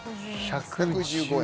１１５円。